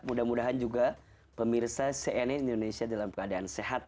mudah mudahan juga pemirsa cnn indonesia dalam keadaan sehat